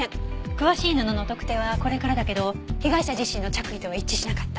詳しい布の特定はこれからだけど被害者自身の着衣とは一致しなかった。